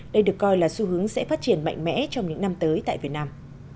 đây được coi là xu hướng sẽ phát triển mạnh mẽ trong những năm tới tại việt nam